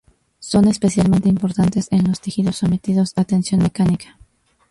Son especialmente importantes en los tejidos sometidos a tensión mecánica.